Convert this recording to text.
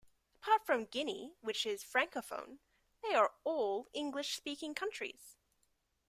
Apart from Guinea, which is Francophone, they are all English speaking countries.